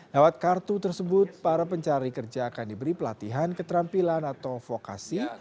lewat kartu tersebut para pencari kerja akan diberi pelatihan keterampilan atau vokasi